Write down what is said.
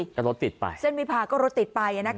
แล้วรถติดไปเส้นวิพาก็รถติดไป